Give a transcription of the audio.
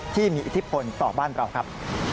ที่มีอิทธิพลต่อบ้านเราครับ